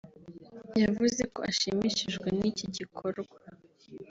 yavuzeko ashimishijwe n’iki gikorwa